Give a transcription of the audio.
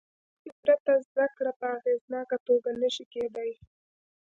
له ژبې پرته زده کړه په اغېزناکه توګه نه شي کېدای.